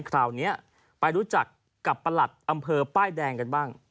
คราวนี้ไปรู้จักกับประหลัดอำเภอป้ายแดงกันบ้าง